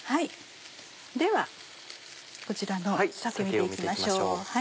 ではこちらの鮭見て行きましょう。